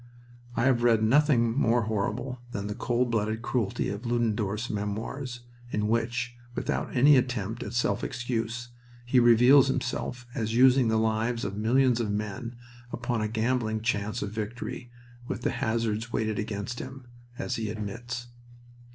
I have read nothing more horrible than the cold blooded cruelty of Ludendorff's Memoirs, in which, without any attempt at self excuse, he reveals himself as using the lives of millions of men upon a gambling chance of victory with the hazards weighted against him, as he admits.